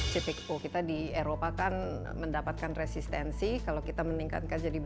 cipikku kita di eropa kan mendapatkan resistensi kalau kita meningkatkan jadi b tiga puluh b empat puluh